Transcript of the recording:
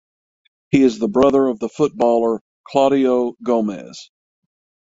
He is the brother of the footballer Claudio Gomes.